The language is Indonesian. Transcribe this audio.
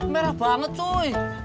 merah banget cuy